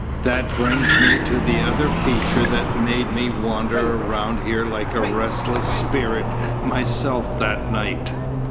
"That brings me to the other feature that made me wander around here like a restless spirit myself that night.